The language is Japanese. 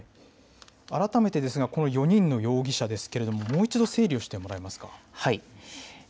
改めてですが、この４人の容疑者、もう一度整理をしてもらえますか。